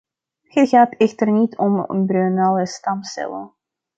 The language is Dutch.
Het gaat echter niet om embryonale stamcellen.